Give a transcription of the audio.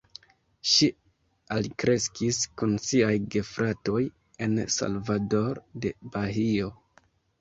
Ŝi alkreskis kun siaj gefratoj en Salvador de Bahio.